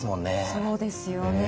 そうですよね。